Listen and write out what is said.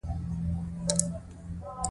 بري زموږ په برخه ده.